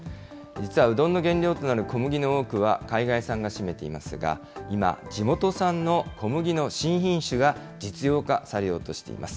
実はうどんの原料となる小麦の多くは海外産が占めていますが、今、地元産の小麦の新品種が実用化されようとしています。